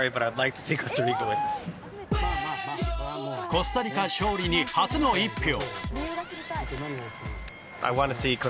コスタリカ勝利に初の１票。